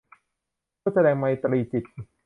เพื่อแสดงไมตรีจิต